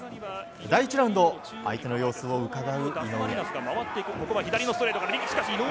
第１ラウンド相手の様子をうかがう井上。